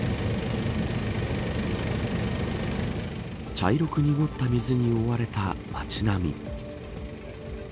茶色く濁った水に覆われた街並み。